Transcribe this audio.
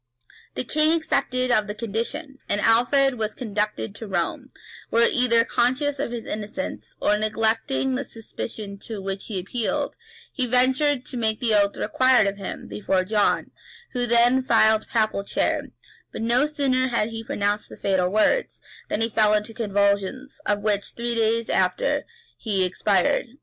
The king accepted of the condition, and Alfred was conducted to Rome, where, either conscious of his innocence, or neglecting the superstition to which he appealed, he ventured to make the oath required of him, before John, who then filled the papal chair; but no sooner had he pronounced the fatal words, than he fell into convulsions, of which, three days after, he expired.